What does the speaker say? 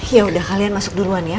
yaudah kalian masuk duluan ya